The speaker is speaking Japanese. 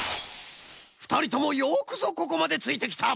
ふたりともよくぞここまでついてきた！